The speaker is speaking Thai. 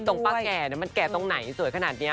ตรงป้าแก่มันแก่ตรงไหนสวยขนาดนี้